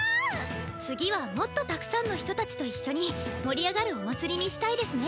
次はもっとたくさんの人たちと一緒に盛り上がるお祭りにしたいですね。